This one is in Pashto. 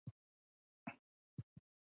ترموز د بازار د چکر خوند زیاتوي.